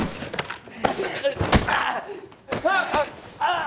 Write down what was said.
ああ！